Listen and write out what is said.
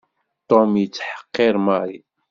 Tom yettḥeqqiṛ Mary.